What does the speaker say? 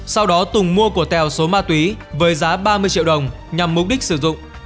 sau đó tùng mua của tèo số ma túy với giá ba mươi triệu đồng nhằm mục đích sử dụng